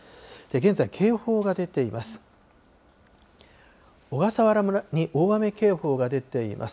現在、警報が出ています。